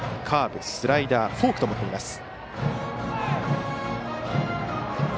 カーブスライダー、フォークを持っています。